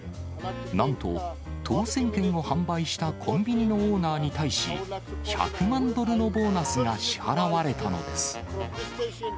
なんと、当せん券を販売したコンビニのオーナーに対し、１００万ドルのボーナスが支払われたのです。